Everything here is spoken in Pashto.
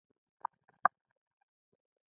ایا زه د جوارو ډوډۍ وخورم؟